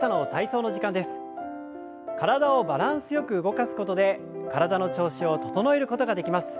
体をバランスよく動かすことで体の調子を整えることができます。